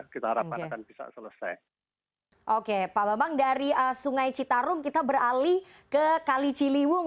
kita harapkan akan bisa selesai oke pak bambang dari sungai citarum kita beralih ke kali ciliwung